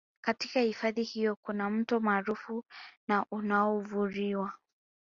Katika hifadhi hiyo kuna Mto maarufu na unaovuriwa